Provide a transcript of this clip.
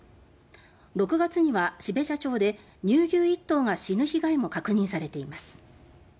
６月には標茶町で乳牛１頭が死ぬ被害も確認されています。